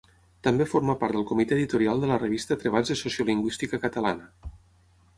També forma part del Comitè Editorial de la revista Treballs de Sociolingüística Catalana.